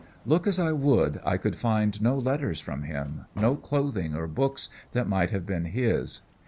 Look as I would, I could find no letters from him, no clothing or books that might have been his.